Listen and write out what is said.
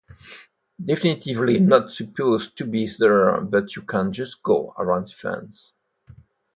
Definitely not supposed to be there but you can just go around the fence.